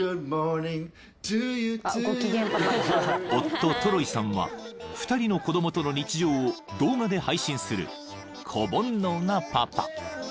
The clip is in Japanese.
［夫トロイさんは２人の子供との日常を動画で配信する子煩悩なパパ］